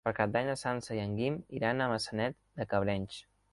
Per Cap d'Any na Sança i en Guim iran a Maçanet de Cabrenys.